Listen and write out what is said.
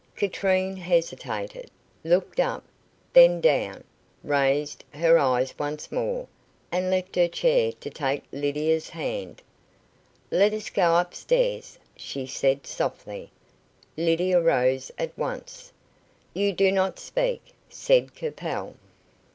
Katrine hesitated, looked up, then down, raised, her eyes once more, and left her chair to take Lydia's hand. "Let us go up stairs," she said softly. Lydia rose at once. "You do not speak," said Capel.